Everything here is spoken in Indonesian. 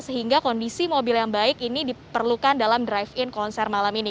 sehingga kondisi mobil yang baik ini diperlukan dalam drive in konser malam ini